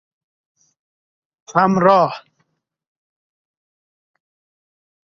کم راه